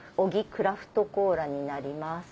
クラフトコーラになります。